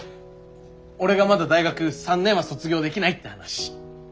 俺がまだ大学３年は卒業できないって話。